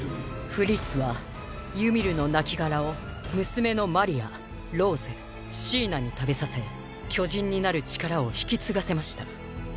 フリッツはユミルの亡骸を娘のマリアローゼシーナに食べさせ巨人になる力を引き継がせました。